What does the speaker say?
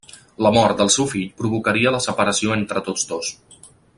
La mort del seu fill provocaria la separació entre tots dos.